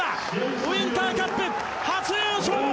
ウインターカップ初優勝！